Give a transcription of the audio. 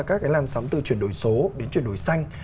các cái làn sóng từ chuyển đổi số đến chuyển đổi xanh